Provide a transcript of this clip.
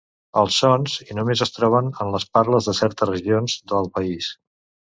Els sons i només es troben en les parles de certes regions del país.